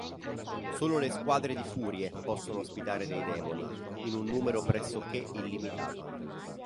Solo le squadre di Furie possono ospitare dei demoni, in un numero pressoché illimitato.